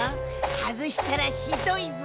はずしたらひどいぞ！